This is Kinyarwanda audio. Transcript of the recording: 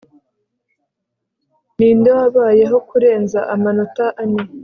Ninde wabayeho kurenza amanota ane